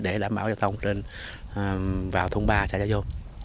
để đảm bảo giao thông vào thôn ba trả giá vô